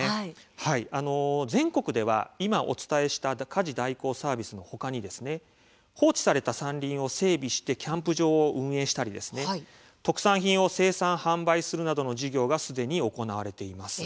全国では今お伝えした家事代行サービスの他に放置された山林を整備してキャンプ場を運営したり特産品を生産、販売するなどの事業がすでに行われています。